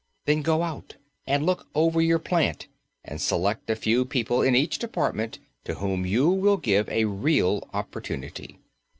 Then go out and look over your plant and select a few people in each department to whom you will give a real opportunity.